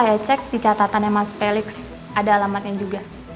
saya cek di catatannya mas peliks ada alamatnya juga